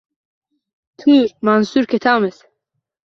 – Tur, Mansur ketamiz”.